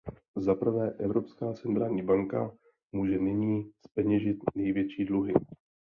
Zaprvé, Evropská centrální banka může nyní zpeněžit největší dluhy.